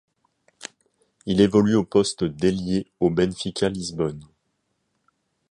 Il évolue au poste d'ailier au Benfica Lisbonne.